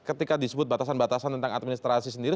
ketika disebut batasan batasan tentang administrasi sendiri